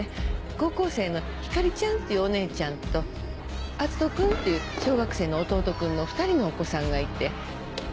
高校生の光莉ちゃんっていうお姉ちゃんと篤斗君っていう小学生の弟君の２人のお子さんがいて。